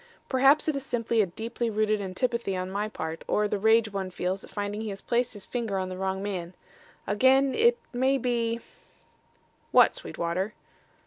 Perhaps it is simply a deeply rooted antipathy on my part, or the rage one feels at finding he has placed his finger on the wrong man. Again it may be " "What, Sweetwater?"